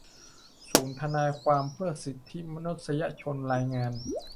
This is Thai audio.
ศูนย์ทนายความเพื่อสิทธิมนุษยชน รายงาน